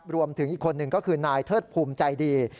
รวมถึงอีกคนหนึ่งก็คือนายเทิดภูมิใจดี